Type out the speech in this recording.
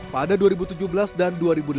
pada dua ribu tujuh belas dan dua ribu delapan belas